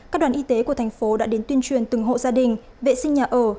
các đoàn y tế của thành phố đã đến tuyên truyền từng hộ gia đình vệ sinh nhà ở